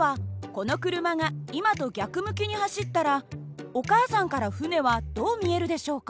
この車が今と逆向きに走ったらお母さんから船はどう見えるでしょうか。